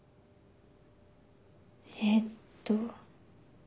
えっと。